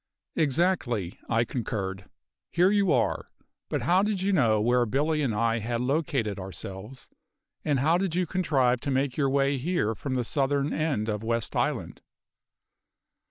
"Exactly," I concurred. "Here you are. But how did you know where Billy and I had located ourselves? and how did you contrive to make your way here from the southern end of West Island?"